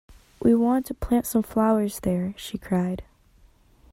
‘We wanted to plant some flowers there,’ she cried.